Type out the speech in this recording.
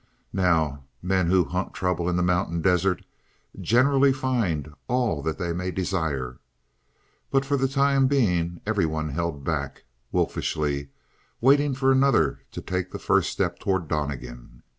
Now, men who hunt trouble in the mountain desert generally find all that they may desire, but for the time being everyone held back, wolfishly, waiting for another to take the first step toward Donnegan.